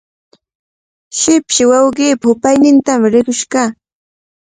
Shipshi wawqiipa hupaynintami rirqush kaa.